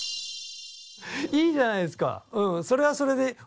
いいじゃないですかそれはそれで。